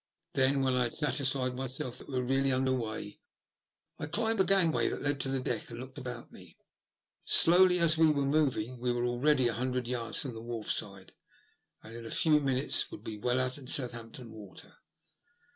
Then, when I had satisfied myself that we were really under way, I climbed the gangway that led to the deck and looked about me. Slowly as we were moving, we were already a hundred yards from the wharf side, and in a few minutes would be well out in Southampton Water.